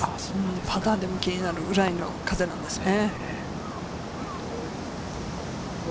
パターでも気になるくらいの追い風なんですね。